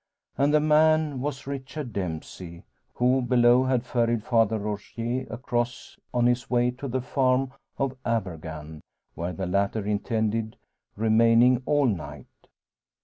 And the man was Richard Dempsey, who below had ferried Father Rogier across on his way to the farm of Abergann, where the latter intended remaining all night.